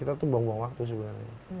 kita tuh buang buang waktu sebenarnya